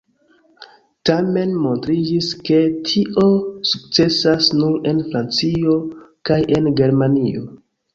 Tamen montriĝis, ke tio sukcesas nur en Francio kaj en Germanio.